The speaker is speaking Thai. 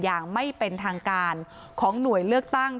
อย่างไม่เป็นทางการของหน่วยเลือกตั้ง